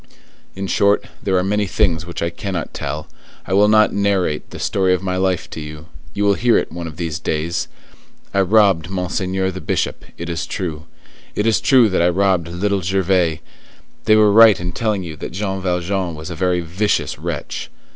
In short, there are many things which I cannot tell. I will not narrate the story of my life to you; you will hear it one of these days. I robbed Monseigneur the Bishop, it is true; it is true that I robbed Little Gervais; they were right in telling you that Jean Valjean was a very vicious wretch.